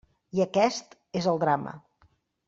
I aquest és el drama.